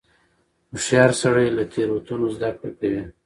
هوښیار سړی له تېروتنو زده کړه کوي.